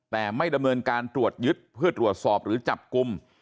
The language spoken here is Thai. แต่ไม่ดำเนินการตรวจยึดเพื่อตรวจสอบหรือจับกลุ่ม